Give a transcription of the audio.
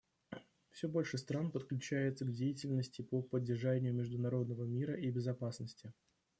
Все больше стран подключается к деятельности по поддержанию международного мира и безопасности.